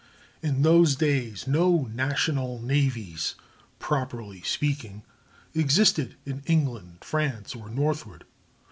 ] In those days no national navies, properly speaking, existed in England, France, or northward.